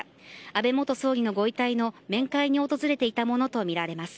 安倍元総理のご遺体の面会に訪れていたものとみられます。